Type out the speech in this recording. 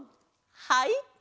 はい！